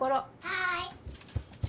はい！